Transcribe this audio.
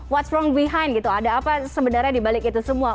what from behind gitu ada apa sebenarnya dibalik itu semua